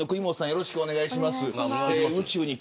よろしくお願いします。